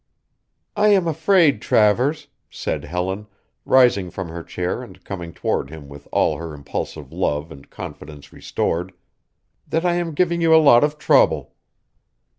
"I am afraid, Travers," said Helen, rising from her chair and coming toward him with all her impulsive love and confidence restored, "that I am giving you a lot of trouble."